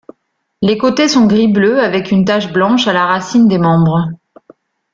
Les côtés sont gris-bleu avec une tache blanche à la racine des membres.